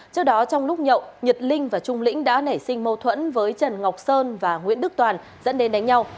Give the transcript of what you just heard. trước đó trong lúc nhậu nhật linh và trung lĩnh đã nảy sinh mâu thuẫn với trần ngọc sơn và nguyễn đức toàn dẫn đến đánh nhau